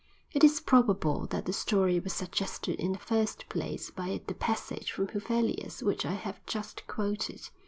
It is probable that the story was suggested in the first place by the passage from Huvelius which I have just quoted.